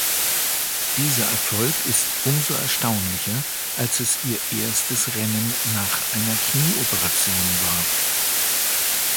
Dieser Erfolg ist umso erstaunlicher, als es ihr erstes Rennen nach einer Knieoperation war.